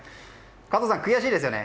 加藤さん、悔しいですよね。